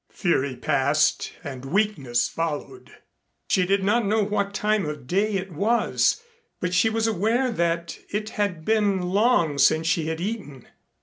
Fury passed and weakness followed. She did not know what time of day it was, but she was aware that it had been long since she had eaten.